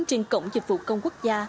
trên cổng dịch vụ công quốc gia